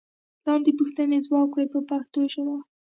لاندې پوښتنې ځواب کړئ په پښتو ژبه.